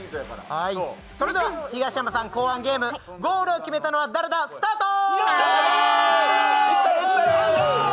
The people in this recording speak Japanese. ヒガシヤマさん考案のゲームゴールを決めたのは誰だスタート！